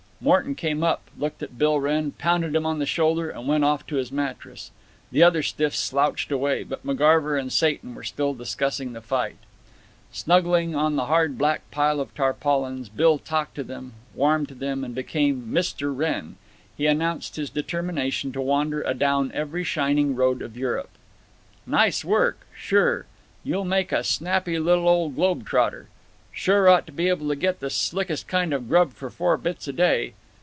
Morton came up, looked at Bill Wrenn, pounded him on the shoulder, and went off to his mattress. The other stiffs slouched away, but McGarver and Satan were still discussing the fight. Snuggling on the hard black pile of tarpaulins, Bill talked to them, warmed to them, and became Mr. Wrenn. He announced his determination to wander adown every shining road of Europe. "Nice work." "Sure." "You'll make a snappy little ole globe trotter." "Sure; ought to be able to get the slickest kind of grub for four bits a day."